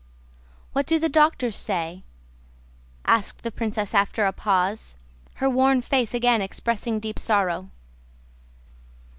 "What do the doctors say?" asked the princess after a pause, her worn face again expressing deep sorrow.